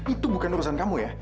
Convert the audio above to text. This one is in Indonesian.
itu bukan urusan kamu ya